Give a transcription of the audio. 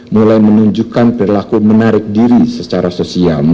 mulai menunjukkan perilaku menarik diri secara sosial